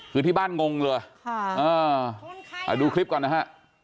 คือที่บ้านงงเลยดูคลิปก่อนนะฮะ